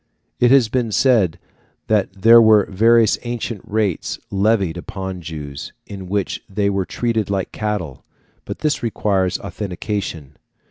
It has been said that there were various ancient rates levied upon Jews, in which they were treated like cattle, but this requires authentication.